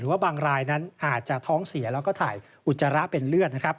ว่าบางรายนั้นอาจจะท้องเสียแล้วก็ถ่ายอุจจาระเป็นเลือดนะครับ